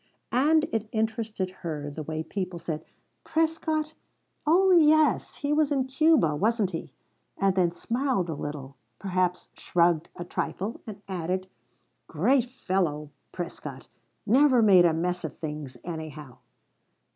And it interested her the way people said: "Prescott? Oh yes he was in Cuba, wasn't he?" and then smiled a little, perhaps shrugged a trifle, and added: "Great fellow Prescott. Never made a mess of things, anyhow."